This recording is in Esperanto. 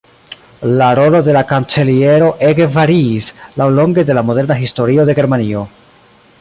La rolo de la Kanceliero ege variis laŭlonge de la moderna historio de Germanio.